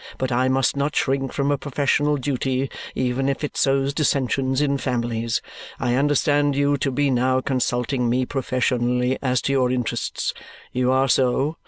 But I must not shrink from a professional duty, even if it sows dissensions in families. I understand you to be now consulting me professionally as to your interests? You are so?